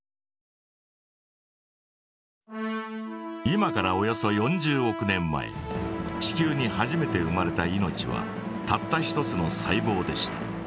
今からおよそ４０億年前地球に初めて生まれた命はたった一つの細ぼうでした。